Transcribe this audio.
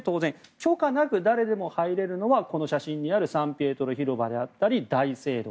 許可なく誰でも入れるのはこの写真にあるサン・ピエトロ広場であったり大聖堂。